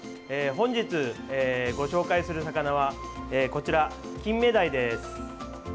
本日ご紹介する魚はこちら、キンメダイです。